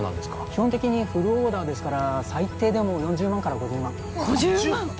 基本的にフルオーダーですから最低でも４０万から５０万５０万！？５０万！？